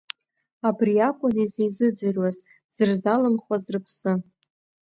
Абри акәын изизыӡырҩуаз, дзырзалымхуаз рыԥсы!